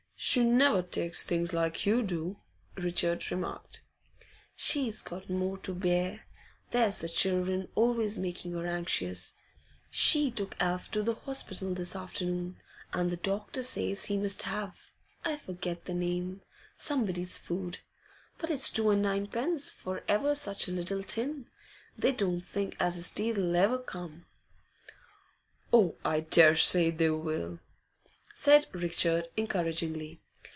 'She never takes things like you do,' Richard remarked. 'She's got more to bear. There's the children always making her anxious. She took Alf to the hospital this afternoon, and the doctor says he must have I forget the name, somebody's food. But it's two and ninepence for ever such a little tin. They don't think as his teeth 'll ever come.' 'Oh, I daresay they will,' said Richard encouragingly.